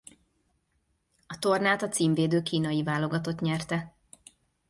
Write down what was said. A tornát a címvédő kínai válogatott nyerte.